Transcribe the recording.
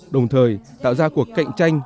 đồng thời tạo ra cuộc cạnh tranh